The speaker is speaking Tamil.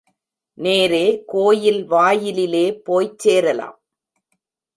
நேரே கோயில் வாயிலிலே போய்ச் சேரலாம்.